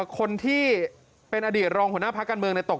คนที่เป็นอดีตรองหัวหน้าพักการเมืองตก